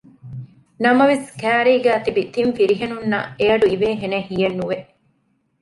ނަމަވެސް ކައިރީގައި ތިބި ތިން ފިރިހެނުންނަށް އެއަޑު އިވޭ ހެނެއް ހިޔެއްނުވެ